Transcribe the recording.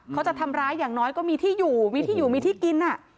เขาจะทำร้ายอย่างน้อยก็มีที่อยู่มีที่อยู่มีที่กิน